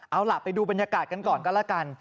เอาล่ะไปดูบรรยากาศกันก่อนก็แล้วกัน